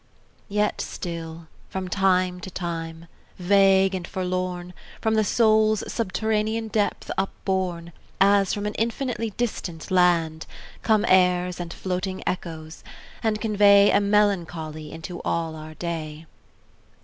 Yet still, from time to time, vague and forlorn, From the soul's subterranean depth upborne As from an infinitely distant land, Come airs, and floating echoes, and convey A melancholy into all our day.